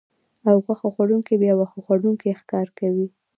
او غوښه خوړونکي بیا واښه خوړونکي ښکار کوي